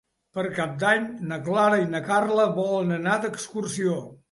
Per Cap d'Any na Clara i na Carla volen anar d'excursió.